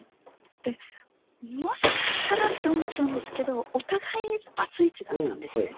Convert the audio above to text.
でもしかしたらって思ったんですけどお互いバツイチだったんですね。